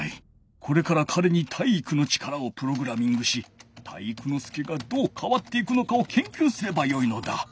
これからかれに体育の力をプログラミングし体育ノ介がどうかわっていくのかをけんきゅうすればよいのだ。